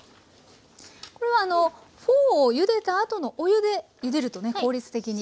これはフォーをゆでたあとのお湯でゆでるとね